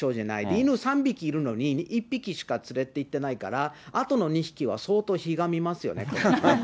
犬３匹いるのに、１匹しか連れて行ってないから、あとの２匹は相当ひがみますよね。